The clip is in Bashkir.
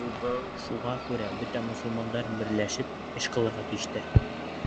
Шуға күрә бөтә мосолмандар берләшеп эш ҡылырға тейештәр...